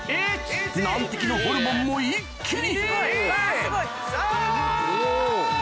難敵のホルモンも一気に！